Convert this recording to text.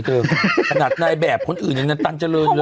ตันเจริญมาดเนิดหน้าในแบบคนอื่นนั้นตันเจริญเร็ว